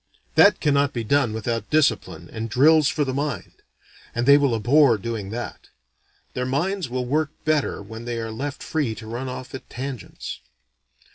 That cannot be done without discipline and drills for the mind; and they will abhor doing that; their minds will work better when they are left free to run off at tangents.